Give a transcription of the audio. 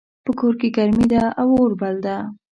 په کور کې ګرمي ده او اور بل ده